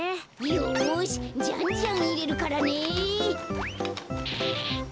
よしじゃんじゃんいれるからね。